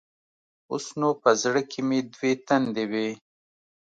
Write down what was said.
اوس نو په زړه کښې مې دوې تندې وې.